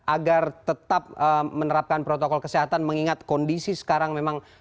agar tetap menerapkan protokol kesehatan mengingat kondisi sekarang memang